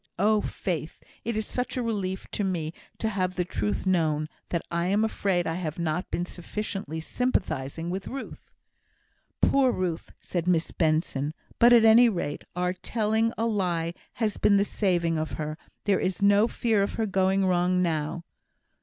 Oh, Faith! it is such a relief to me to have the truth known, that I am afraid I have not been sufficiently sympathising with Ruth." "Poor Ruth!" said Miss Benson. "But at any rate our telling a lie has been the saving of her. There is no fear of her going wrong now."